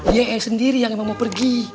dia sendiri yang mau pergi